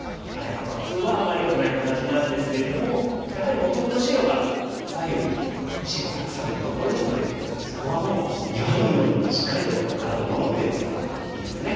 普通はあんまりよくない形なんですけれどもやはりもともと白が左右に石がたくさんいるところですのでそこはもう岩のようにしっかりとガードを守って打つのがいいですね。